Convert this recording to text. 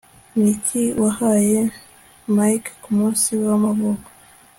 Niki wahaye Mike kumunsi we wamavuko